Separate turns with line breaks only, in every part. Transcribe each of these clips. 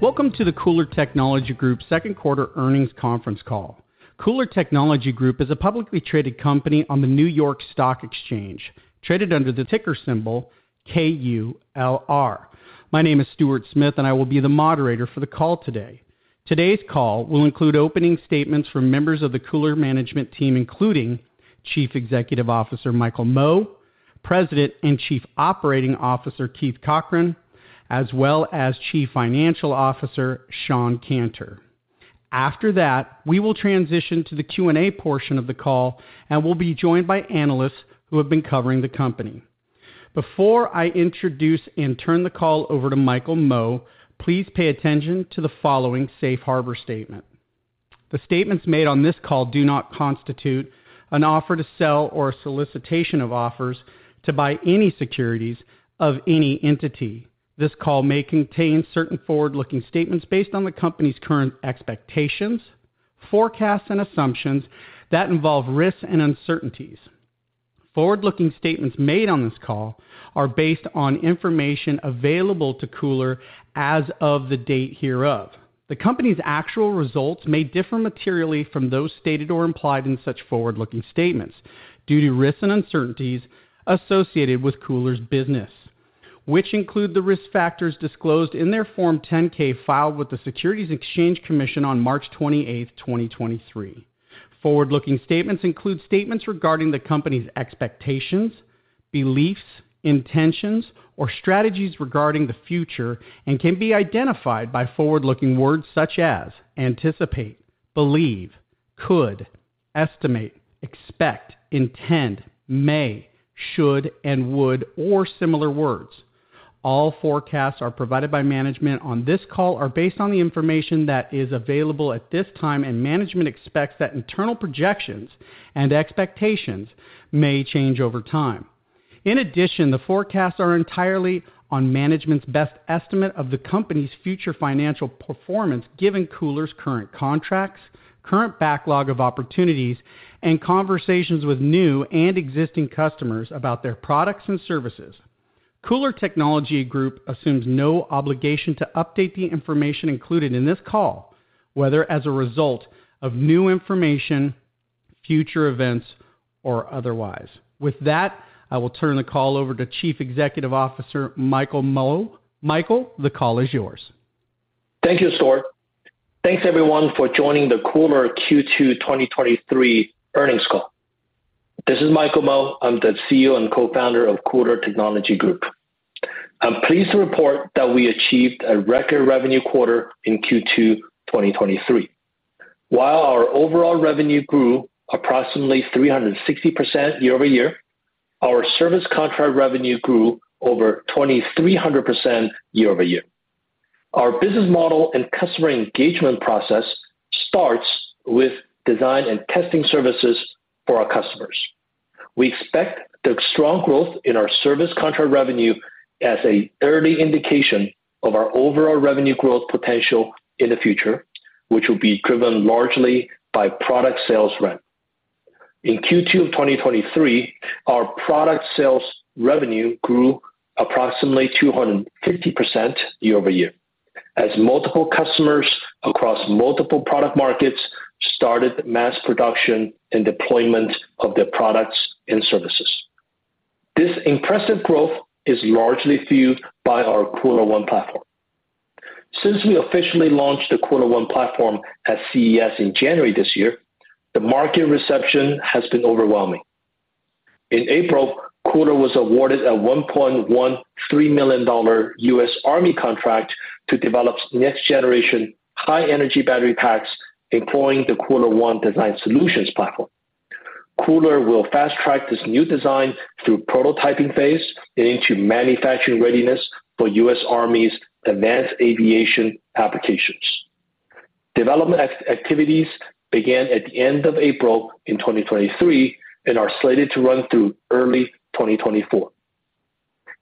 Welcome to the KULR Technology Group second quarter earnings conference call. KULR Technology Group is a publicly traded company on the New York Stock Exchange, traded under the ticker symbol KULR. My name is Stuart Smith, and I will be the moderator for the call today. Today's call will include opening statements from members of the KULR management team, including Chief Executive Officer, Michael Mo, President and Chief Operating Officer, Keith Cochran, as well as Chief Financial Officer, Shawn Canter. After that, we will transition to the Q&A portion of the call and we'll be joined by analysts who have been covering the company. Before I introduce and turn the call over to Michael Mo, please pay attention to the following safe harbor statement. The statements made on this call do not constitute an offer to sell or a solicitation of offers to buy any securities of any entity. This call may contain certain forward-looking statements based on the company's current expectations, forecasts, and assumptions that involve risks and uncertainties. Forward-looking statements made on this call are based on information available to KULR as of the date hereof. The company's actual results may differ materially from those stated or implied in such forward-looking statements due to risks and uncertainties associated with KULR's business, which include the risk factors disclosed in their Form 10-K filed with the Securities and Exchange Commission on March 28, 2023. Forward-looking statements include statements regarding the company's expectations, beliefs, intentions, or strategies regarding the future, and can be identified by forward-looking words such as anticipate, believe, could, estimate, expect, intend, may, should, and would, or similar words. All forecasts are provided by management on this call are based on the information that is available at this time, and management expects that internal projections and expectations may change over time. In addition, the forecasts are entirely on management's best estimate of the company's future financial performance, given KULR's current contracts, current backlog of opportunities, and conversations with new and existing customers about their products and services. KULR Technology Group assumes no obligation to update the information included in this call, whether as a result of new information, future events, or otherwise. With that, I will turn the call over to Chief Executive Officer, Michael Mo. Michael, the call is yours.
Thank you, Stuart. Thanks, everyone, for joining the KULR Q2 2023 earnings call. This is Michael Mo. I'm the CEO and co-founder of KULR Technology Group. I'm pleased to report that we achieved a record revenue quarter in Q2 2023. While our overall revenue grew approximately 360% year-over-year, our service contract revenue grew over 2,300% year-over-year. Our business model and customer engagement process starts with design and testing services for our customers. We expect the strong growth in our service contract revenue as an early indication of our overall revenue growth potential in the future, which will be driven largely by product sales rev. In Q2 of 2023, our product sales revenue grew approximately 250% year-over-year, as multiple customers across multiple product markets started mass production and deployment of their products and services. This impressive growth is largely fueled by our KULR ONE platform. Since we officially launched the KULR ONE platform at CES in January this year, the market reception has been overwhelming. In April, KULR was awarded a $1.13 million US Army contract to develop next-generation high-energy battery packs employing the KULR ONE Design Solutions. KULR will fast-track this new design through prototyping phase and into manufacturing readiness for US Army's advanced aviation applications. Development activities began at the end of April in 2023 and are slated to run through early 2024.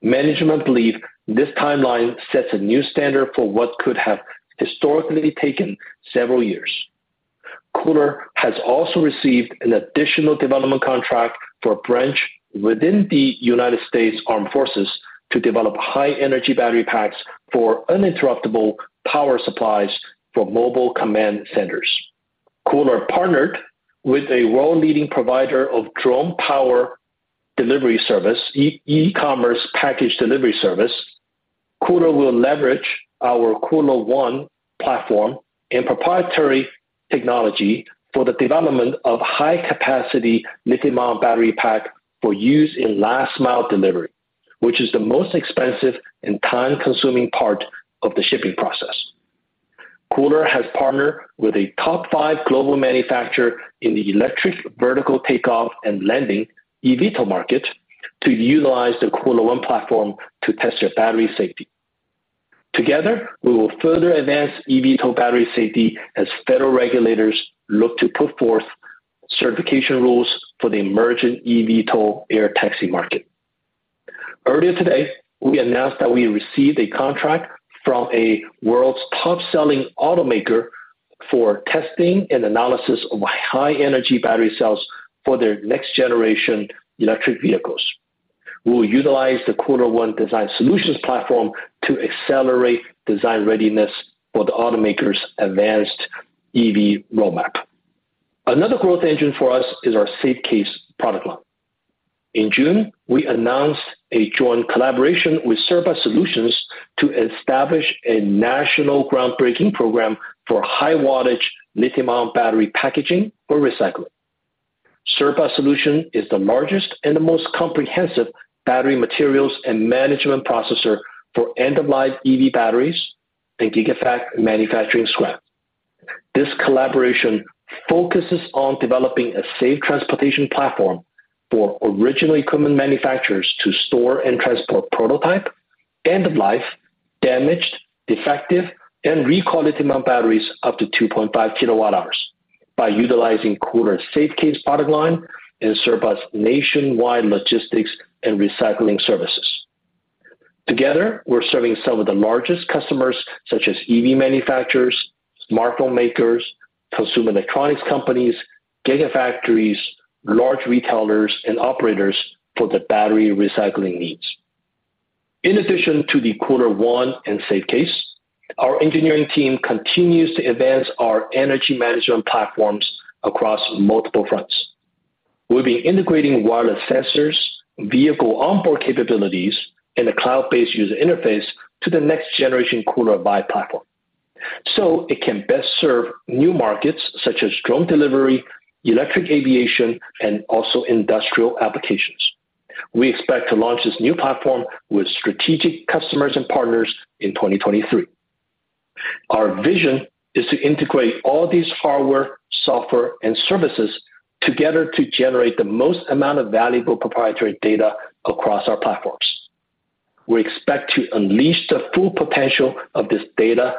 Management believe this timeline sets a new standard for what could have historically taken several years. KULR has also received an additional development contract for a branch within the United States Armed Forces to develop high-energy battery packs for uninterruptible power supplies for mobile command centers. KULR partnered with a world-leading provider of drone power delivery service, e-commerce package delivery service. KULR will leverage our KULR ONE platform and proprietary technology for the development of high-capacity lithium-ion battery pack for use in last mile delivery, which is the most expensive and time-consuming part of the shipping process. KULR has partnered with a top five global manufacturer in the electric vertical takeoff and landing eVTOL market to utilize the KULR ONE platform to test their battery safety. Together, we will further advance eVTOL battery safety as federal regulators look to put forth certification rules for the emerging eVTOL air taxi market. Earlier today, we announced that we received a contract from a world's top-selling automaker for testing and analysis of high-energy battery cells for their next-generation electric vehicles. We'll utilize the KULR ONE Design Solutions to accelerate design readiness for the automaker's advanced EV roadmap. Another growth engine for us is our SafeCASE product line. In June, we announced a joint collaboration with Cirba Solutions to establish a national groundbreaking program for high-wattage lithium-ion battery packaging for recycling. Cirba Solutions is the largest and the most comprehensive battery materials and management processor for end-of-life EV batteries and gigafactory manufacturing scrap. This collaboration focuses on developing a safe transportation platform for original equipment manufacturers to store and transport prototype, end-of-life, damaged, defective, and recall lithium-ion batteries up to 2.5 kWh, by utilizing KULR SafeCASE product line and Cirba's nationwide logistics and recycling services. Together, we're serving some of the largest customers, such as EV manufacturers, smartphone makers, consumer electronics companies, gigafactories, large retailers, and operators for the battery recycling needs. In addition to the KULR ONE and SafeCASE, our engineering team continues to advance our energy management platforms across multiple fronts. We'll be integrating wireless sensors, vehicle onboard capabilities, and a cloud-based user interface to the next generation KULR Vibe platform, so it can best serve new markets such as drone delivery, electric aviation, and also industrial applications. We expect to launch this new platform with strategic customers and partners in 2023. Our vision is to integrate all these hardware, software, and services together to generate the most amount of valuable proprietary data across our platforms. We expect to unleash the full potential of this data,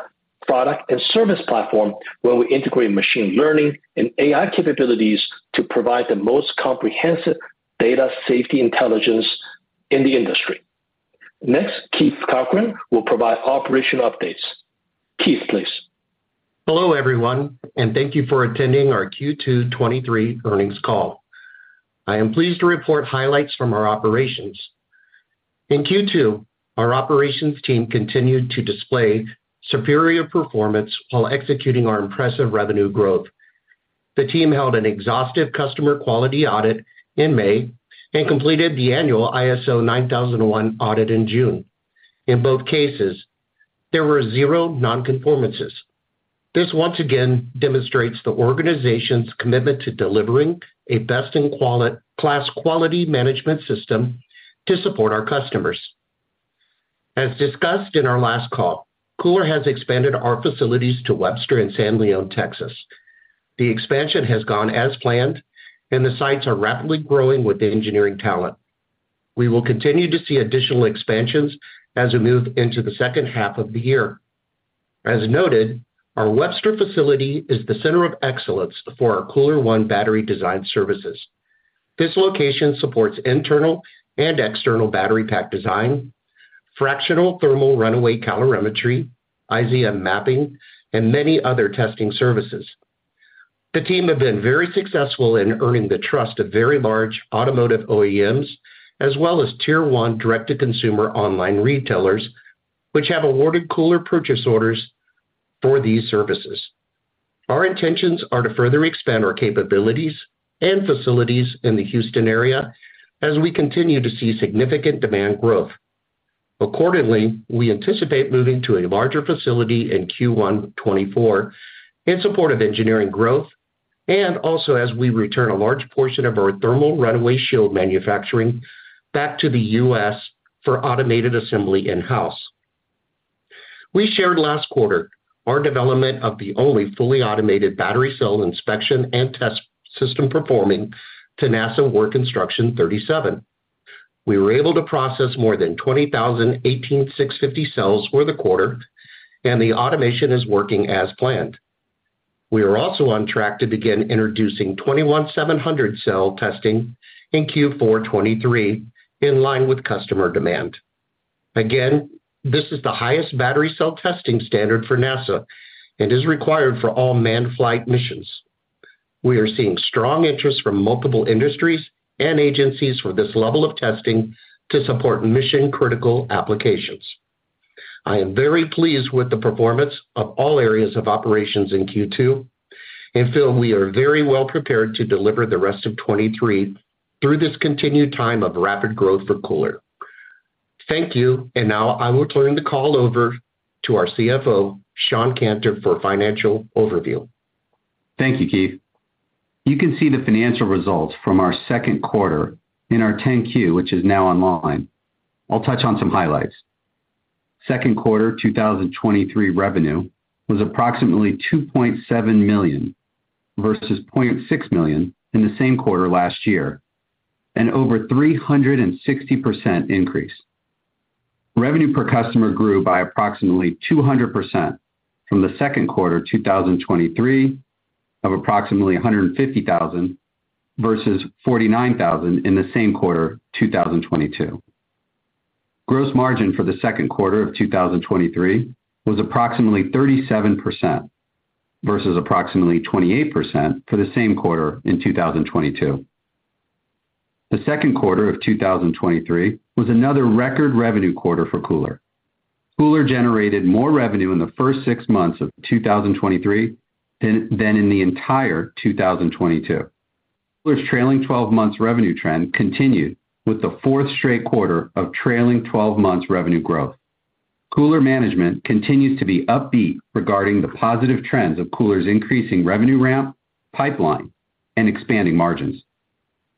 product, and service platform, where we integrate machine learning and AI capabilities to provide the most comprehensive data safety intelligence in the industry. Next, Keith Cochran will provide operational updates. Keith, please.
Hello, everyone, and thank you for attending our Q2 2023 earnings call. I am pleased to report highlights from our operations. In Q2, our operations team continued to display superior performance while executing our impressive revenue growth. The team held an exhaustive customer quality audit in May and completed the annual ISO 9001 audit in June. In both cases, there were zero non-conformances. This once again demonstrates the organization's commitment to delivering a best in class quality management system to support our customers. As discussed in our last call, KULR has expanded our facilities to Webster and San Leon, Texas. The expansion has gone as planned, and the sites are rapidly growing with engineering talent. We will continue to see additional expansions as we move into the second half of the year. As noted, our Webster facility is the center of excellence for our KULR ONE battery design services. This location supports internal and external battery pack design, Fractional Thermal Runaway Calorimetry, IZM mapping, and many other testing services. The team have been very successful in earning the trust of very large automotive OEMs, as well as tier one direct-to-consumer online retailers, which have awarded KULR purchase orders for these services. Our intentions are to further expand our capabilities and facilities in the Houston area as we continue to see significant demand growth. Accordingly, we anticipate moving to a larger facility in Q1 2024 in support of engineering growth, and also as we return a large portion of our Thermal Runaway Shield manufacturing back to the U.S. for automated assembly in-house. We shared last quarter our development of the only fully automated battery cell inspection and test system performing to NASA Work Instruction 37. We were able to process more than 20,000 18650 cells for the quarter. The automation is working as planned. We are also on track to begin introducing 21700 cell testing in Q4 2023, in line with customer demand. Again, this is the highest battery cell testing standard for NASA and is required for all manned flight missions. We are seeing strong interest from multiple industries and agencies for this level of testing to support mission-critical applications. I am very pleased with the performance of all areas of operations in Q2, and feel we are very well prepared to deliver the rest of 2023 through this continued time of rapid growth for KULR. Thank you, now I will turn the call over to our CFO, Shawn Canter, for a financial overview.
Thank you, Keith. You can see the financial results from our second quarter in our 10-Q, which is now online. I'll touch on some highlights. Second quarter, 2023 revenue was approximately $2.7 million, versus $0.6 million in the same quarter last year, an over 360% increase. Revenue per customer grew by approximately 200% from the second quarter, 2023, of approximately $150,000 versus $49,000 in the same quarter, 2022. Gross margin for the second quarter of 2023 was approximately 37%, versus approximately 28% for the same quarter in 2022. The second quarter of 2023 was another record revenue quarter for KULR. KULR generated more revenue in the first six months of 2023 than, than in the entire 2022. KULR's trailing 12 months revenue trend continued with the fourth straight quarter of trailing 12 months revenue growth. KULR management continues to be upbeat regarding the positive trends of KULR's increasing revenue ramp, pipeline, and expanding margins.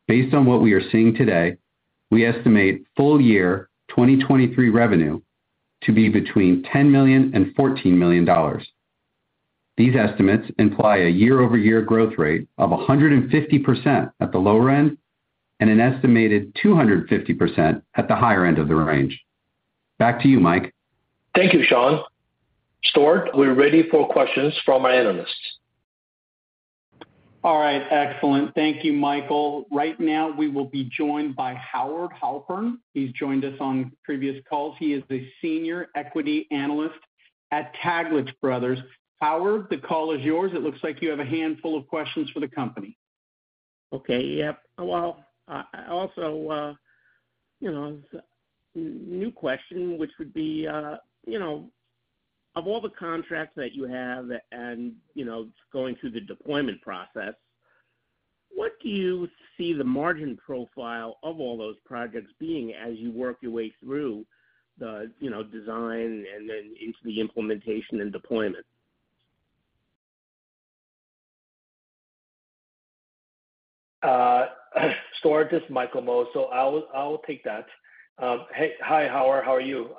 Based on what we are seeing today, we estimate full year 2023 revenue to be between $10 million and $14 million. These estimates imply a year-over-year growth rate of 150% at the lower end, and an estimated 250% at the higher end of the range. Back to you, Michael Mo.
Thank you, Shawn. Stuart, we're ready for questions from our analysts.
All right. Excellent. Thank you, Michael. Right now, we will be joined by Howard Halpern. He's joined us on previous calls. He is the senior equity analyst at Taglich Brothers. Howard, the call is yours. It looks like you have a handful of questions for the company.
Okay. Yep. Well, I, I also, you know, new question, which would be, you know, of all the contracts that you have and, you know, going through the deployment process, what do you see the margin profile of all those projects being as you work your way through the, you know, design and then into the implementation and deployment?
Stuart, this is Michael Mo, I will, I will take that. Hey. Hi, Howard, how are you?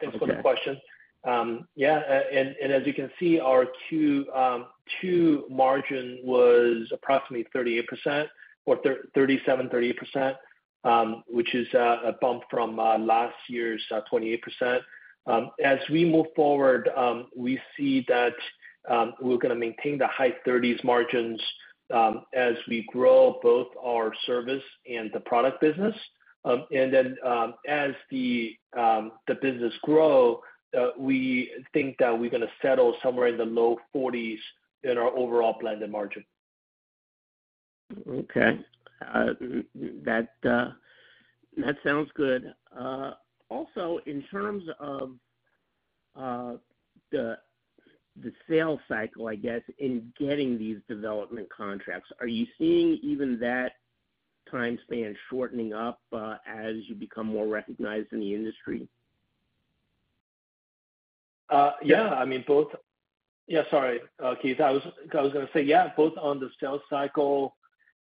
Thanks for the question. Yeah, as you can see, our Q2 margin was approximately 38%, or 37%-38%, which is a bump from last year's 28%. As we move forward, we see that we're gonna maintain the high 30s margins as we grow both our service and the product business. As the business grow, we think that we're gonna settle somewhere in the low 40s in our overall blended margin.
Okay. That, that sounds good. Also, in terms of, the, the sales cycle, I guess, in getting these development contracts, are you seeing even that time span shortening up, as you become more recognized in the industry?
Yeah. I mean, both. Yeah, sorry, Keith. I was, I was gonna say, yeah, both on the sales cycle,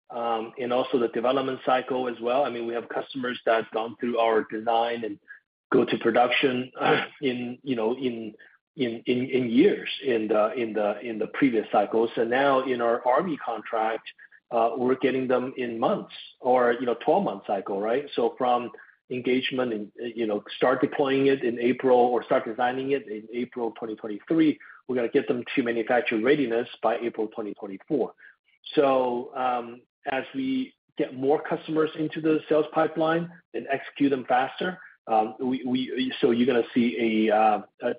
and also the development cycle as well. I mean, we have customers that have gone through our design and go to production, you know, in years, in the previous cycles. Now in our Army contract, we're getting them in months or, you know, 12-month cycle, right? From engagement and, you know, start deploying it in April or start designing it in April 2023, we're gonna get them to manufacturing readiness by April 2024. As we get more customers into the sales pipeline and execute them faster, you're gonna see,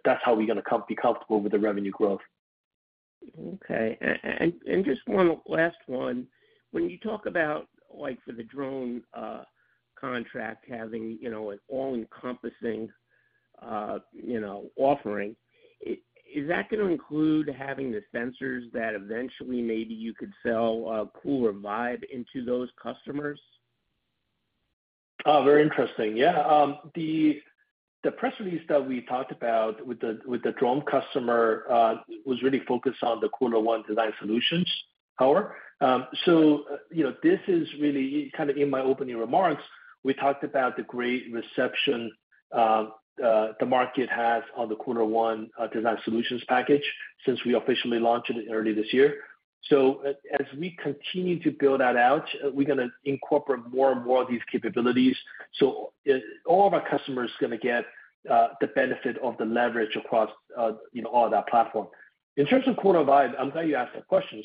that's how we're gonna be comfortable with the revenue growth.
Okay. Just one last one. When you talk about like for the drone, contract, having, you know, an all-encompassing, you know, offering, is that gonna include having the sensors that eventually maybe you could sell a KULR Vibe into those customers?
Oh, very interesting. Yeah, the press release that we talked about with the drone customer was really focused on the KULR ONE Design Solutions, Howard. You know, this is really kind of in my opening remarks, we talked about the great reception the market has on the KULR ONE Design Solutions package since we officially launched it early this year. As we continue to build that out, we're gonna incorporate more and more of these capabilities. All of our customers are gonna get the benefit of the leverage across, you know, all of that platform. In terms of KULR Vibe, I'm glad you asked that question.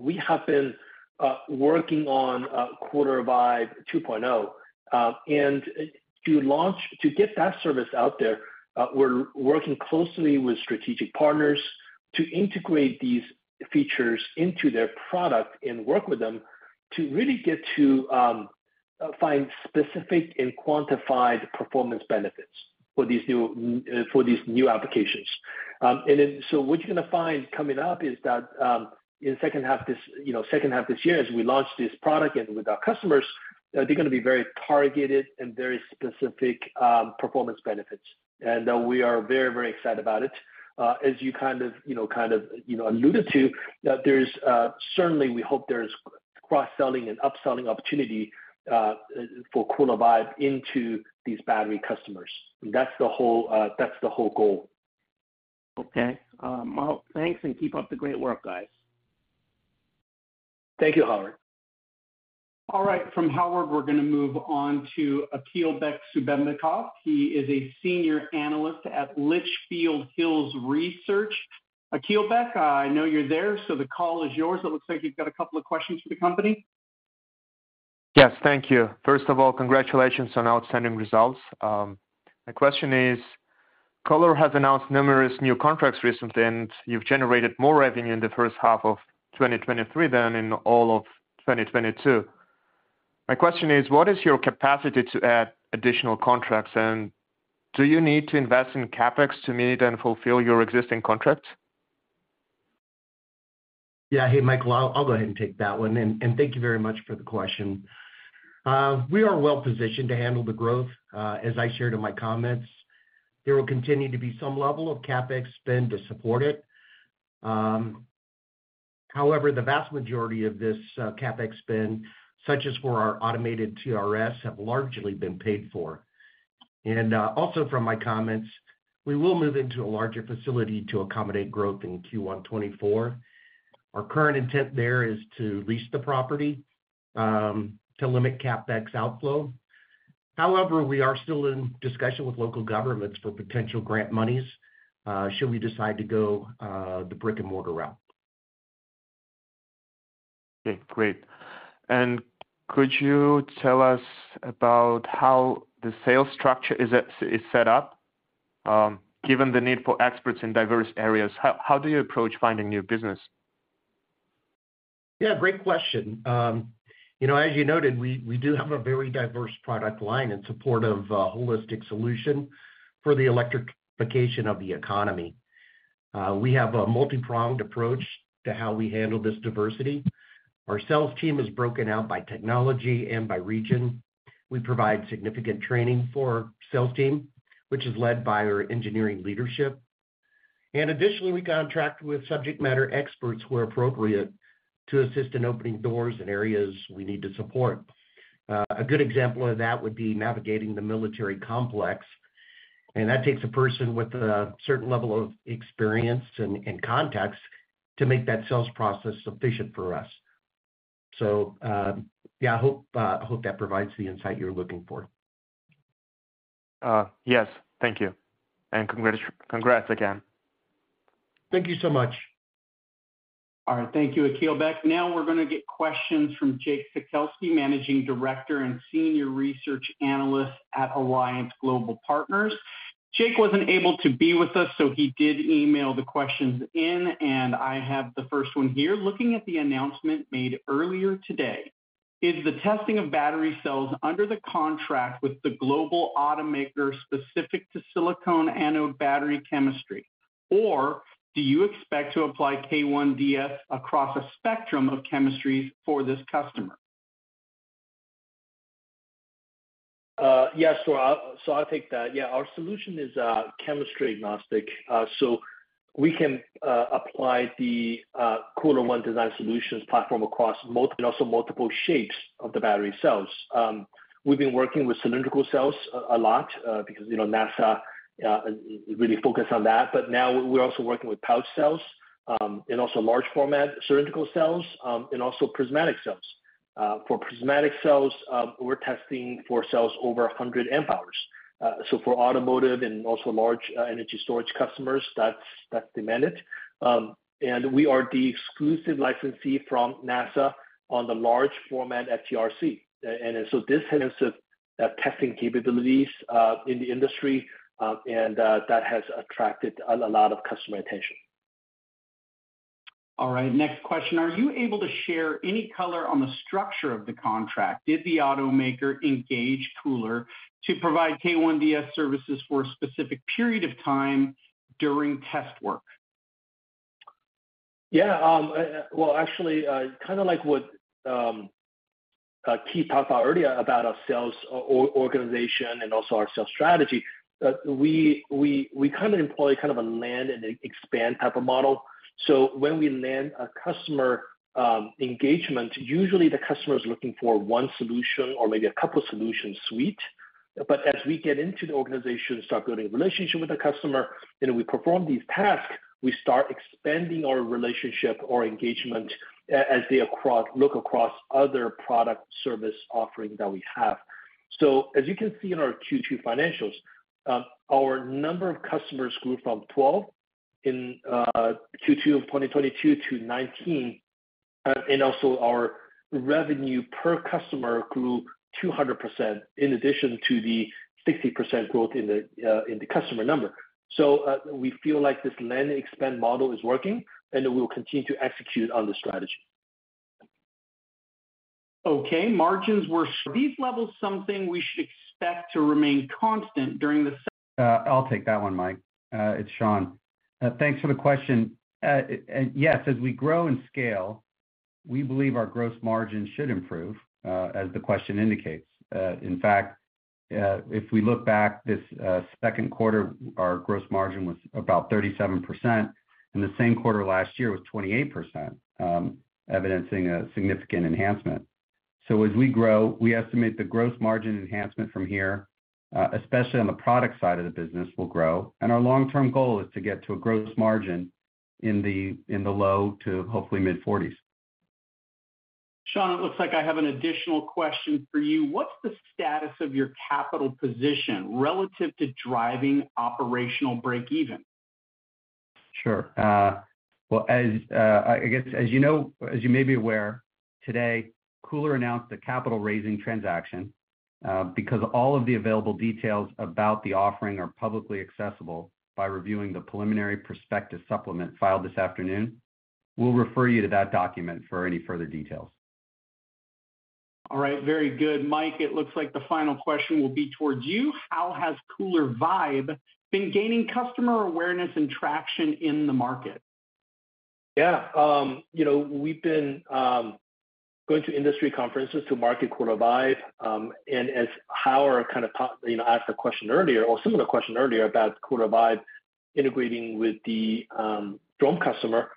We have been working on KULR Vibe 2.0, and to launch- to get that service out there, we're working closely with strategic partners to integrate these features into their product and work with them to really get to find specific and quantified performance benefits for these new for these new applications. Then, so what you're gonna find coming up is that in the second half this, you know, second half this year, as we launch this product and with our customers, they're gonna be very targeted and very specific performance benefits. We are very, very excited about it. As you kind of, you know, kind of, you know, alluded to, that there's certainly we hope there's cross-selling and upselling opportunity for KULR Vibe into these battery customers. That's the whole, that's the whole goal.
Okay. Well, thanks, and keep up the great work, guys.
Thank you, Howard.
All right. From Howard, we're gonna move on to Akhil Beksubevnikov. He is a senior analyst at Litchfield Hills Research. Akil Beck, I know you're there, so the call is yours. It looks like you've got a couple of questions for the company.
Yes, thank you. First of all, congratulations on outstanding results. My question is: KULR has announced numerous new contracts recently, and you've generated more revenue in the first half of 2023 than in all of 2022. My question is, what is your capacity to add additional contracts, and do you need to invest in CapEx to meet and fulfill your existing contracts?
Yeah. Hey, Michael, I'll, I'll go ahead and take that one, and, and thank you very much for the question. We are well positioned to handle the growth, as I shared in my comments. There will continue to be some level of CapEx spend to support it. However, the vast majority of this, CapEx spend, such as for our automated TRS, have largely been paid for. Also from my comments, we will move into a larger facility to accommodate growth in Q1 2024. Our current intent there is to lease the property, to limit CapEx outflow. However, we are still in discussion with local governments for potential grant monies, should we decide to go, the brick-and-mortar route.
Okay, great. Could you tell us about how the sales structure is is set up? Given the need for experts in diverse areas, how, how do you approach finding new business?
Yeah, great question. You know, as you noted, we, we do have a very diverse product line in supp ort of a holistic solution for the electrification of the economy. We have a multi-pronged approach to how we handle this diversity. Our sales team is broken out by technology and by region. We provide significant training for our sales team, which is led by our engineering leadership. Additionally, we contract with subject matter experts where appropriate, to assist in opening doors in areas we need to support. A good example of that would be navigating the military complex, and that takes a person with a certain level of experience and, and context to make that sales process sufficient for us. Yeah, I hope I hope that provides the insight you're looking for.
Yes. Thank you. Congrats again.
Thank you so much.
All right. Thank you, Akil Beck. Now we're gonna get questions from Jake Sekelsky, Managing Director and Senior Research Analyst at Alliance Global Partners. Jake wasn't able to be with us, so he did email the questions in, and I have the first one here: Looking at the announcement made earlier today, is the testing of battery cells under the contract with the global automaker specific to silicon anode battery chemistry, or do you expect to apply K1-DS across a spectrum of chemistries for this customer?
Yes, so I, so I'll take that. Yeah, our solution is chemistry-agnostic. We can apply the KULR ONE Design Solutions platform across multiple shapes of the battery cells. We've been working with cylindrical cells a lot, because, you know, NASA really focused on that. But now we're also working with pouch cells, and also large format cylindrical cells, and also prismatic cells. For prismatic cells, we're testing for cells over 100 amp hours. For automotive and also large energy storage customers, that's demanded. We are the exclusive licensee from NASA on the large format FTRC. This has testing capabilities in the industry, and that has attracted a lot of customer attention.
All right, next question: Are you able to share any color on the structure of the contract? Did the automaker engage KULR to provide K1-DS services for a specific period of time during test work?
Yeah, well, actually, kinda like what Keith talked about earlier about our sales organization and also our sales strategy, we, we, we kind of employ kind of a land and expand type of model. When we land a customer engagement, usually the customer is looking for one solution or maybe a couple solution suite. As we get into the organization and start building a relationship with the customer, and we perform these tasks, we start expanding our relationship or engagement as they look across other product service offerings that we have. As you can see in our Q2 financials, our number of customers grew from 12 in Q2 of 2022 to 19, and also our revenue per customer grew 200%, in addition to the 60% growth in the customer number. We feel like this land expand model is working, and we will continue to execute on the strategy.
Okay, margins were. These levels something we should expect to remain constant during the.
I'll take that one, Mike. It's Sean. Thanks for the question. Yes, as we grow and scale, we believe our gross margin should improve, as the question indicates. In fact, if we look back, this second quarter, our gross margin was about 37%, and the same quarter last year was 28%, evidencing a significant enhancement. As we grow, we estimate the gross margin enhancement from here, especially on the product side of the business, will grow, and our long-term goal is to get to a gross margin in the, in the low to hopefully mid-40s.
Shawn, it looks like I have an additional question for you. What's the status of your capital position relative to driving operational breakeven?
Sure. Well, as, I guess, as you know, as you may be aware, today, KULR announced a capital raising transaction. Because all of the available details about the offering are publicly accessible by reviewing the preliminary prospective supplement filed this afternoon, we'll refer you to that document for any further details.
All right. Very good. Mike, it looks like the final question will be towards you: How has KULR Vibe been gaining customer awareness and traction in the market?
Yeah, you know, we've been going to industry conferences to market KULR Vibe. As Howard kind of, you know, asked a question earlier, or similar question earlier about KULR Vibe integrating with the drone customer.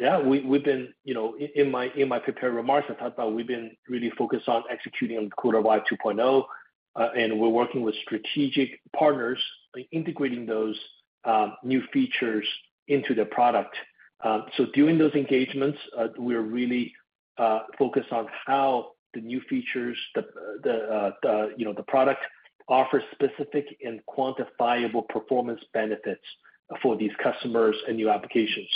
Yeah, we, we've been, you know, in my, in my prepared remarks, I talked about we've been really focused on executing on KULR Vibe 2.0. We're working with strategic partners in integrating those new features into the product. During those engagements, we're really focused on how the new features, the, the, the, you know, the product offers specific and quantifiable performance benefits for these customers and new applications.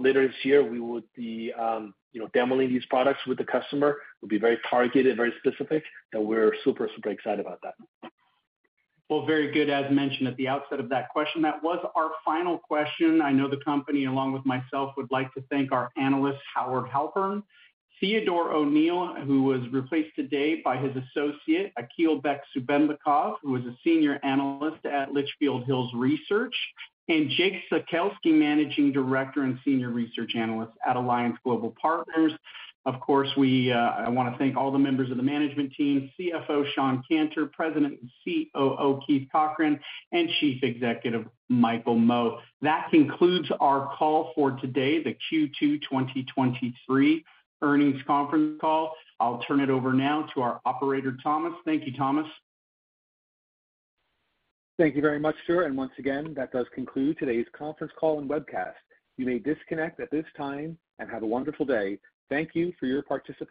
Later this year, we would be, you know, demoing these products with the customer. We'll be very targeted, very specific, and we're super, super excited about that.
Well, very good. As mentioned at the outset of that question, that was our final question. I know the company, along with myself, would like to thank our analyst, Howard Halpern, Theodore O'Neill, who was replaced today by his associate, Akil Beksubenbecov, who is a Senior Analyst at Litchfield Hills Research, and Jake Sekelsky, Managing Director and Senior Research Analyst at Alliance Global Partners. Of course, we, I want to thank all the members of the management team, CFO Shawn Canter, President and COO Keith Cochran, and Chief Executive Michael Mo. That concludes our call for today, the Q2 2023 earnings conference call. I'll turn it over now to our operator, Thomas. Thank you, Thomas.
Thank you very much, sir, once again, that does conclude today's conference call and webcast. You may disconnect at this time and have a wonderful day. Thank you for your participation.